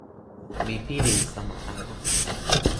mi pilin sama ala.